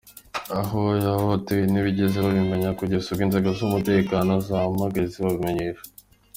Abo yahohoteye ntibigeze babimenya kugeza ubwo inzego z’Umutekano zabahamagaye zibibamenyesha.